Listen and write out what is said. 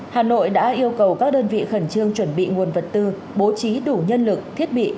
hà nội đã yêu cầu các đơn vị khẩn trương chuẩn bị nguồn vật tư bố trí đủ nhân lực thiết bị